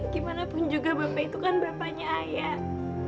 gimanapun juga bapak itu kan bapaknya ayah